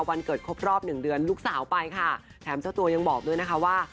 วันเกิดครบรอบหนึ่งเดือนลูกสาวไปค่ะแถมเจ้าตัวยังบอกด้วยนะคะว่า